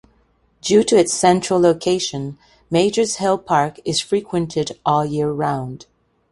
Due to its central location, Major's Hill Park is frequented all year round.